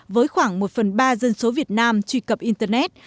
với khoảng một phần ba dân số việt nam truy cập internet